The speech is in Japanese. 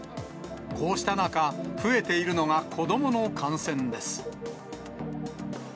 こうした中、増えているのが子どもの感染です。